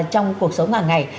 trong cuộc sống hàng ngày